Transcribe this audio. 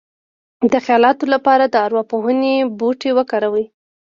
د خیالاتو لپاره د ارواپوهنې بوټي وکاروئ